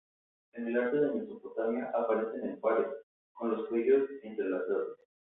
En el arte de Mesopotamia aparecen en pares, con los cuellos entrelazados.